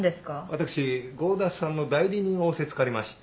私合田さんの代理人を仰せつかりまして。